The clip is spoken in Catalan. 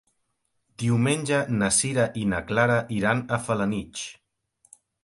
Diumenge na Sira i na Clara iran a Felanitx.